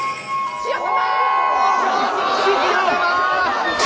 千代様！